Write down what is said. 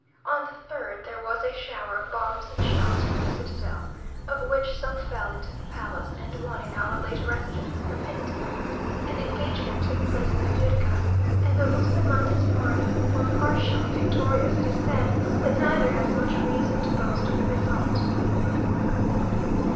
On the third, there was a shower of bombs and shells from the citadel, of which some fell into the palace, and one in our late residence, the mint. An engagement took place in the Virga; and though Bustamante's party were partially victorious, it is said that neither has much reason to boast of the result.